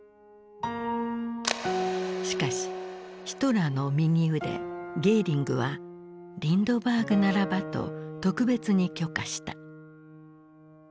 しかしヒトラーの右腕ゲーリングはリンドバーグならばと特別に許可した。